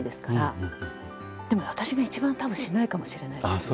でも私が一番たぶんしないかもしれないですね。